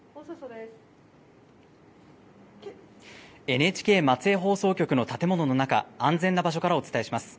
ＮＨＫ松江放送局の建物の中、安全な場所からお伝えします。